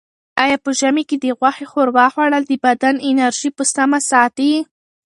آیا په ژمي کې د غوښې ښوروا خوړل د بدن انرژي په سمه ساتي؟